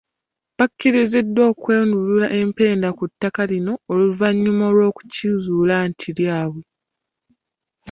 Bakiriziddwa okwerula empenda ku ttaka lino oluvannyuma lw'okukizuula nti lyabwe